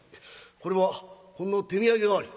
これはほんの手土産代わり。